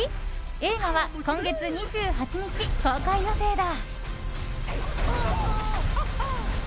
映画は今月２８日公開予定だ。